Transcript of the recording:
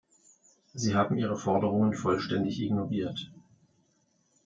Sie haben ihre Forderungen vollständig ignoriert.